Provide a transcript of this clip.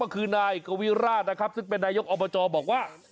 ก็คือนายกวิราชนะครับซึ่งเป็นนายกอบจบอกว่า